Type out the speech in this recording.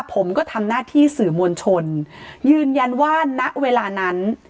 ผมก็ทำหน้าที่สื่อมวลชนยืนยันว่าณเวลานั้น